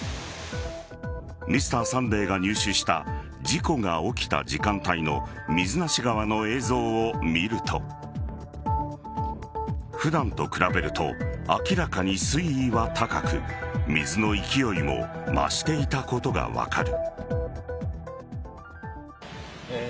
「Ｍｒ．サンデー」が入手した事故が起きた時間帯の水無川の映像を見ると普段と比べると明らかに水位は高く水の勢いも増していたことが分かる。